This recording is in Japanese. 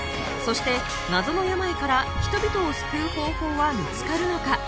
そして謎の病から人々を救う方法は見つかるのか？